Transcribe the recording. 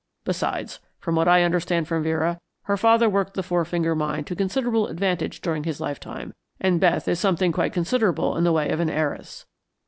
Besides, from what I understand from Vera, her father worked the Four Finger Mine to considerable advantage during his lifetime, and Beth is something quite considerable in the way of an heiress.